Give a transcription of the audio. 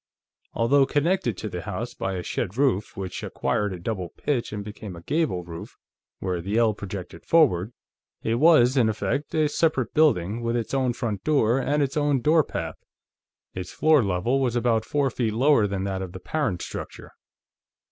Although connected to the house by a shed roof, which acquired a double pitch and became a gable roof where the ell projected forward, it was, in effect, a separate building, with its own front door and its own door path. Its floor level was about four feet lower than that of the parent structure.